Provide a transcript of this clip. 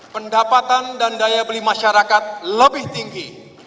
pendapatan dan daya beli masyarakat lebih tinggi